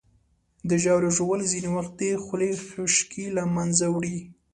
د ژاولې ژوول ځینې وخت د خولې خشکي له منځه وړي.